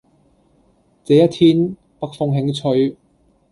這一天，北風輕吹